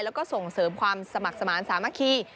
แล้วก็ส่งเสริมความสมัครสมาธิสามัคคี